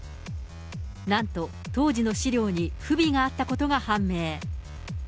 なんと、当時の資料に不備があったことが判明。